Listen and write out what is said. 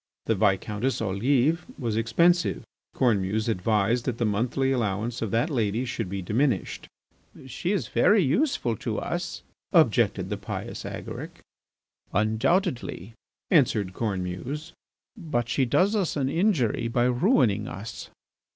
The Viscountess Olive was expensive. Cornemuse advised that the monthly allowance of that lady should be diminished. "She is very useful to us," objected the pious Agaric. "Undoubtedly," answered Cornemuse, "but she does us an injury by ruining us."